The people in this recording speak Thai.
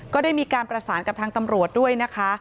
ก็ได้มีการประสานกับทางตำรวจด้วยนะคะ